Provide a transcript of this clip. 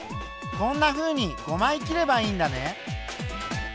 こんなふうに５枚切ればいいんだね。